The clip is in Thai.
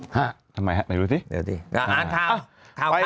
ฮะทำไมฮะเดี๋ยวดูสิเดี๋ยวสิอาหารข่าวข่าวใครอ่ะ